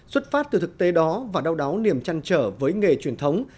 xuất phát từ thực tế đó và đau đáu niềm chăn trở với nghề truyền thống